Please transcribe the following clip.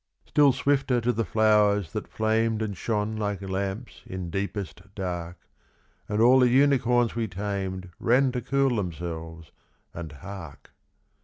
Still Hwit'ler to the flowers that flamed And shone like lamps in deepest dark, And all the unicorns we tamed Ran to cool themselves and hark.